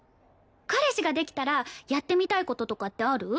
彼氏ができたらやってみたい事とかってある？